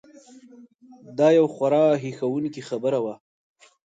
دا یو خورا هیښوونکې خبره وه.